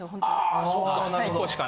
あそうか。